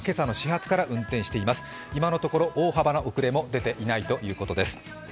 今のところ、大幅な遅れも出ていないということです。